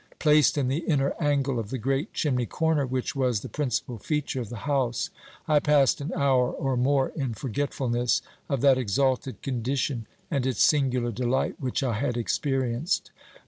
Placed in the inner angle of the great chimney corner, which was the principal feature of the house, I passed an hour or more in forgetfulness of that exalted condition and its singular delight which I had experienced.